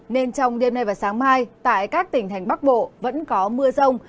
nên trong đêm nay và sáng mai tại các tỉnh thành bắc bộ vẫn có mưa rông